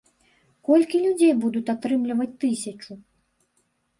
Колькі людзей будуць атрымліваць тысячу?